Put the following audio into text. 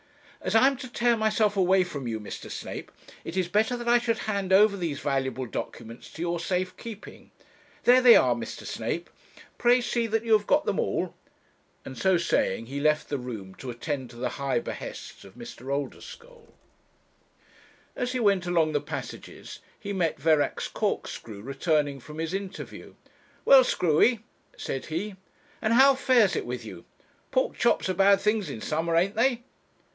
'As I am to tear myself away from you, Mr. Snape, it is better that I should hand over these valuable documents to your safe keeping. There they are, Mr. Snape; pray see that you have got them all;' and so saying, he left the room to attend to the high behests of Mr. Oldeschole. As he went along the passages he met Verax Corkscrew returning from his interview. 'Well, Screwy,' said he, 'and how fares it with you? Pork chops are bad things in summer, ain't they?'